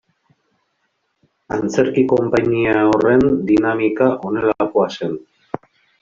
Antzerki konpainia horren dinamika honelakoa zen.